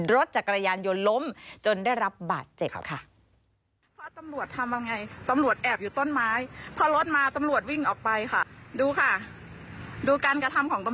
รถจักรยานยนต์ล้มจนได้รับบาดเจ็บค่ะ